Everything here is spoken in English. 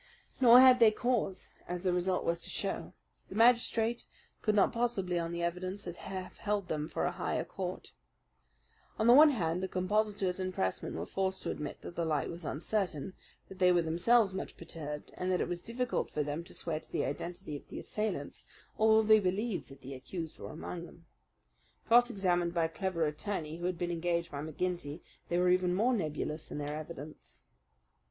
Nor had they cause, as the result was to show. The magistrate could not possibly, on the evidence, have held them for a higher court. On the one hand the compositors and pressmen were forced to admit that the light was uncertain, that they were themselves much perturbed, and that it was difficult for them to swear to the identity of the assailants; although they believed that the accused were among them. Cross examined by the clever attorney who had been engaged by McGinty, they were even more nebulous in their evidence.